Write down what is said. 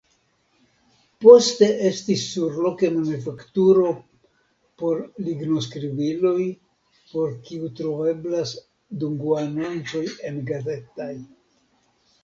Poste estis surloke manufakturo por lignoskribiloj por kiu troveblas dungoanoncoj engazetaj.